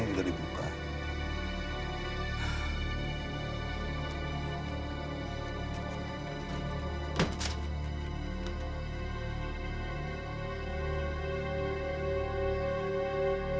saya jadi gak enak hati